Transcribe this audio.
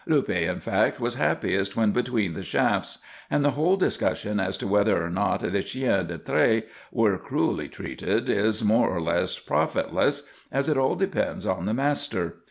Luppe, in fact, was happiest when between the shafts. And the whole discussion as to whether or not the chiens de trait are cruelly treated is more or less profitless, as it all depends on the master.